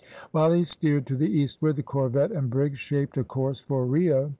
While he steered to the eastward, the corvette and brig shaped a course for Rio.